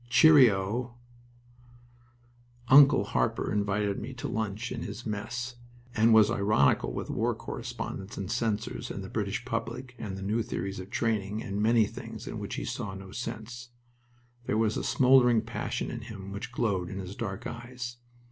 Cheery oh!" "Uncle" Harper invited me to lunch in his mess, and was ironical with war correspondents, and censors, and the British public, and new theories of training, and many things in which he saw no sense. There was a smoldering passion in him which glowed in his dark eyes.